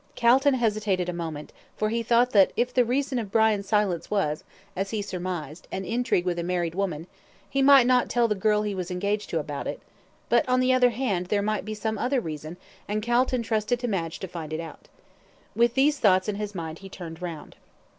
Calton hesitated a moment, for he thought that if the reason of Brian's silence was, as he surmised, an intrigue with a married woman, he might not tell the girl he was engaged to about it but, on the other hand, there might be some other reason, and Calton trusted to Madge to find it out. With these thoughts in his mind he turned round.